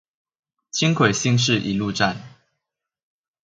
輕軌新市一路站